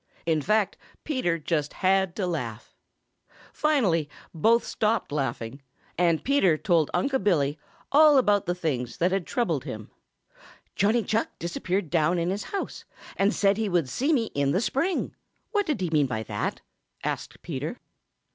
In fact Peter just had to laugh. Finally both stopped laughing, and Peter told Unc' Billy all about the things that had troubled him. "Johnny Chuck disappeared down in his house and said he would see me in the spring; what did he mean by that?" asked Peter.